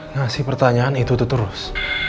ngasih pertanyaan itu tuturus